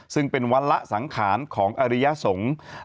ซึ่งเป็นวันละสังขารของอริยสงฆ์